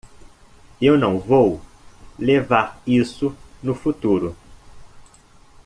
Eu não vou levar isso no futuro.